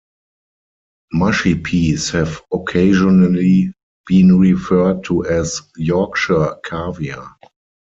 Mushy peas have occasionally been referred to as "Yorkshire caviar".